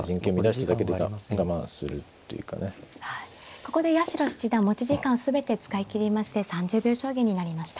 ここで八代七段持ち時間全て使い切りまして３０秒将棋になりました。